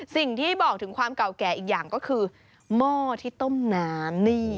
สิ่งที่บอกถึงความเก่าแก่อีกอย่างก็คือหม้อที่ต้มน้ำนี่